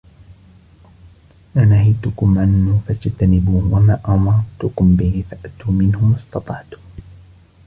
مَا نَهَيْتُكُمْ عَنْهُ فَاجْتَنِبُوهُ، وَمَا أَمَرْتُكُمْ بِهِ فَأْتُوا مِنْهُ مَا اسْتَطَعْتُمْ